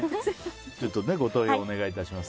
ご投票お願いします。